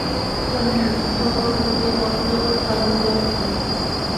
ترمیناتور هم د دې موضوع ښکارندويي کوي.